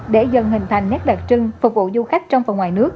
để dần hình thành nét đặc trưng phục vụ du khách trong và ngoài nước